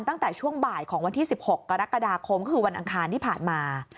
ตั้งแต่ช่วงบ่ายของวันที่๑๖กรกฎาคมคือวันอังคารที่ผ่านมา